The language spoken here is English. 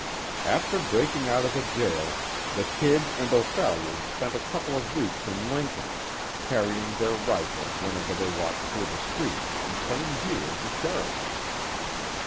After breaking out of the jail, the "Kid" and O'Phalliard spent a couple of weeks in Lincoln, carrying their rifles whenever they walked through the street, in plain view of the sheriff.